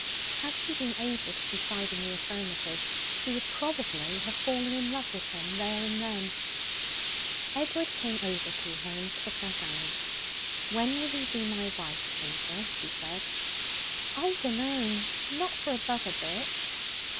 Had she been able to decide in the affirmative, she would probably have fallen in love with him there and then. Edward came over to her and took her hand. 'When will you be my wife, Hazel?' he said. 'I dunno. Not for above a bit.'